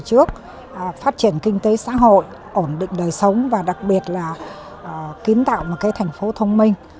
đại hội một mươi hai của đảng